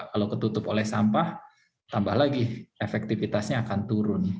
kalau ketutup oleh sampah tambah lagi efektivitasnya akan turun